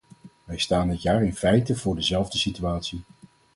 Wij staan dit jaar in feite voor dezelfde situatie.